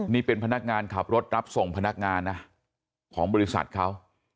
นี่เป็นพนักงานขับรถรับส่งพนักงานนะของบริษัทเขา